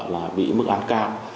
là bị mức án cao